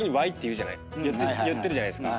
言ってるじゃないですか。